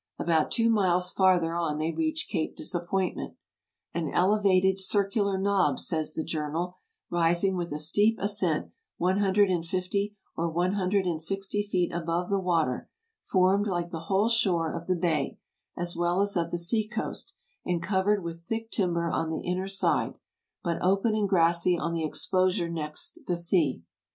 About two miles farther on they reached Cape Disappointment, "an elevated circular knob," says the Journal, "rising with a steep ascent one hundred and fifty or one hundred and sixty feet above the water, formed like the whole shore of the bay, as well as of the sea coast, and covered with thick timber on the inner side, but open and grassy on the exposure next the sea.